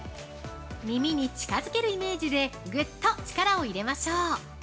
◆耳に近づけるイメージでぐっと力を入れましょう。